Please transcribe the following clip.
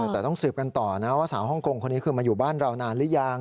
แต่ต้องสืบกันต่อนะว่าสาวฮ่องกงคนนี้คือมาอยู่บ้านเรานานหรือยัง